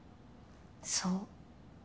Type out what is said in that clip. そう。